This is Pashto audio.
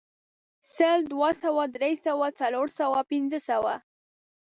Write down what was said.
سل، دوه سوه، درې سوه، څلور سوه، پنځه سوه